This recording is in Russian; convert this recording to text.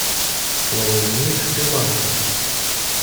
Слово имеет Шри-Ланка.